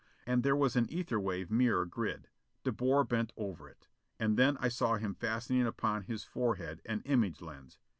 And there was an ether wave mirror grid. De Boer bent over it. And then I saw him fastening upon his forehead an image lens.